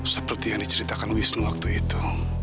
seperti yang diceritakan wisnu waktu itu